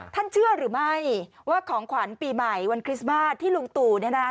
เชื่อหรือไม่ว่าของขวัญปีใหม่วันคริสต์มาสที่ลุงตู่เนี่ยนะคะ